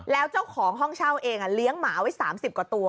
แล้วเจ้าของห้องเช่าเองเลี้ยงหมาไว้๓๐กว่าตัว